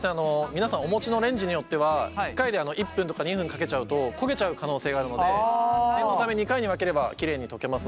皆さんお持ちのレンジによっては１回で１分とか２分かけちゃうと焦げちゃう可能性があるので念のため２回に分ければきれいに溶けますので。